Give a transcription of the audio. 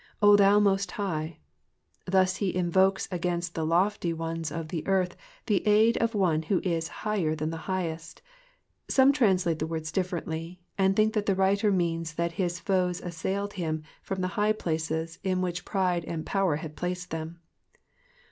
0 thou most Mgh,'*^ Thus he invokes against the lofty ones of the earth the aid of one who is higher than the highest. Some translate the words differently, and think that the writer means that his foes assailed him from the high places in which pride and power had placed them.